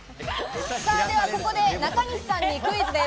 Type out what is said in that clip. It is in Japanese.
ではここで中西さんにクイズです。